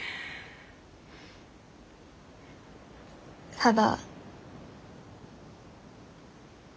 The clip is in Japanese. ただ。